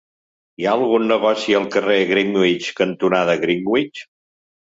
Hi ha algun negoci al carrer Greenwich cantonada Greenwich?